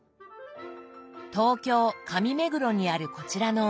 東京・上目黒にあるこちらのお店。